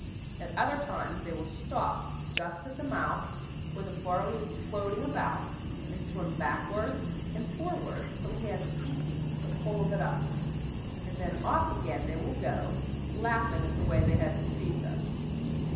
At other times they will stop just at the mouth, where the barley is floating about, and swim backwards and forwards till they have eaten the whole of it up, and then off again they will go, laughing at the way they have deceived us.